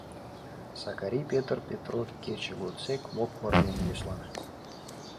— Сакари Петр петро кече годсек мокмыр дене йӧслана.